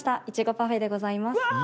いちごパフェでございます。